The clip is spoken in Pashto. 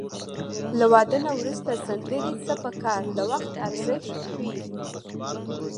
له واده نه وروسته سندرې څه په کار د وخت ارزښت ښيي